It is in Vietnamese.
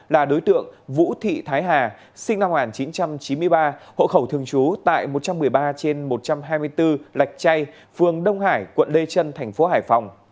là đối tượng vũ thị thái hà sinh năm một nghìn chín trăm chín mươi ba hộ khẩu thường trú tại một trăm một mươi ba trên một trăm hai mươi bốn lạch chay phường đông hải quận lê trân thành phố hải phòng